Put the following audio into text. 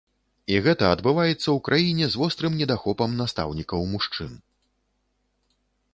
І гэта адбываецца ў краіне з вострым недахопам настаўнікаў-мужчын.